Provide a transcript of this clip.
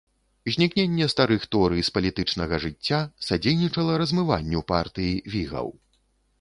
Знікненне старых торы з палітычнага жыцця садзейнічала размыванню партыі вігаў.